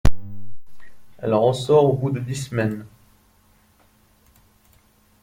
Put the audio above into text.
Elle en ressort au bout de dix semaines.